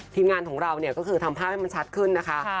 ทีมงานของเราเนี่ยก็คือทำภาพให้มันชัดขึ้นนะคะ